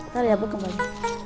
ntar ya gue kembali